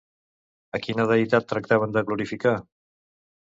A quina deïtat tractaven de glorificar?